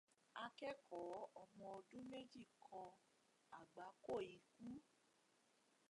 Akẹ́kọ̀ọ́ ọmọ ọdún méjì kan àgbákò ikú.